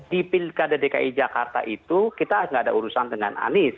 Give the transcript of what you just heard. di pilkada dki jakarta itu kita tidak ada urusan dengan anies